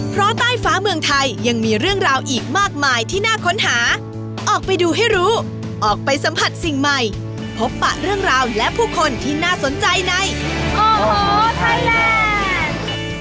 เพราะใต้ฟ้าเมืองไทยยังมีเรื่องราวอีกมากมายที่น่าค้นหาออกไปดูให้รู้ออกไปสัมผัสสิ่งใหม่พบปะเรื่องราวและผู้คนที่น่าสนใจในโอ้โหไทยแลนด์